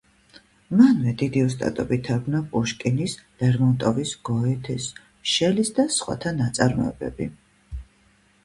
მანვე დიდი ოსტატობით თარგმნა პუშკინის, ლერმონტოვის, გოეთეს, შელის და სხვათა ნაწარმოებები.